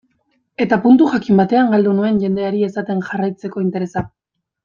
Eta puntu jakin batean galdu nuen jendeari esaten jarraitzeko interesa.